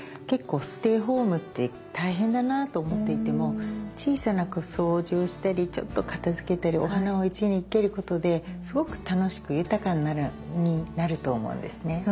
結構ステイホームって大変だなと思っていても小さな掃除をしたりちょっと片づけたりお花を１輪生けることですごく楽しく豊かになると思うんですね。